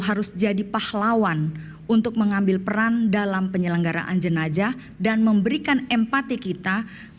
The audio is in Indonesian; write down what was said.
harus jadi pahlawan untuk mengambil peran dalam penyelenggaraan jenajah dan memberikan empati kita